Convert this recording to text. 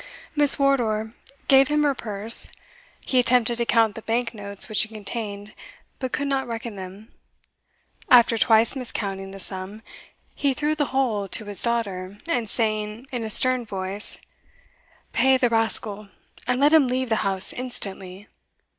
Miss Wardour gave him her purse; he attempted to count the bank notes which it contained, but could not reckon them. After twice miscounting the sum, he threw the whole to his daughter, and saying, in a stern voice, "Pay the rascal, and let him leave the house instantly!"